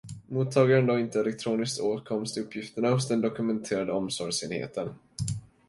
Mottagaren har då inte elektronisk åtkomst till uppgifterna hos den dokumenterande omsorgsenheten.